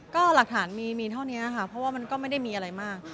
ก็หลักฐานมีมีเท่านี้ค่ะเพราะว่ามันก็ไม่ได้มีอะไรมาก